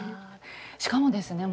しかもですね